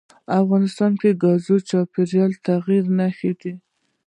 افغانستان کې ګاز د چاپېریال د تغیر نښه ده.